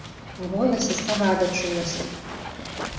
У голасе спагада чулася.